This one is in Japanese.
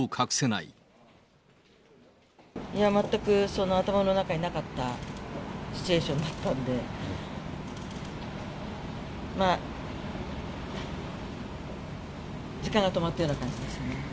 いや、全く頭の中になかったシチュエーションだったので、時間が止まったような感じですね。